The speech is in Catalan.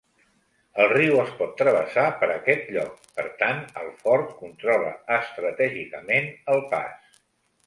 El riu es pot travessar per aquest lloc, per tant el fort controla estratègicament el pas.